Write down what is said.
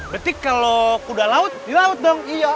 berarti kalau kuda laut di laut dong iya